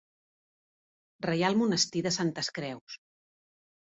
Reial Monestir de Santes Creus.